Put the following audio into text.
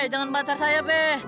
jangan pacar saya be